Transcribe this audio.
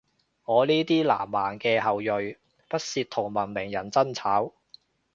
我呢啲南蠻嘅後裔，不屑同文明人爭吵